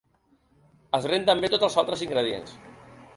Es renten bé tots els altres ingredients.